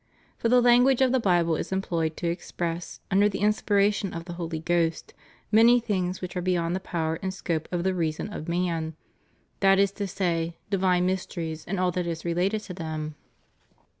For the language of the Bible is employed to express, under the inspiration of the Holy Ghost, many things which art beyond the power and scope of the reason of man — that is to say, divine mysteries and all that is related to them.